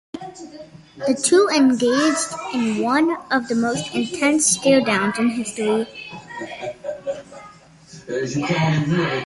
The two engaged in one of the most intense staredowns in history.